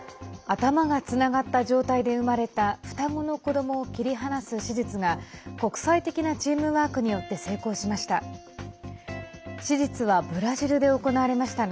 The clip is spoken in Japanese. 頭がつながった状態で生まれた双子の子どもを切り離す手術が国際的なチームワークによって成功しました。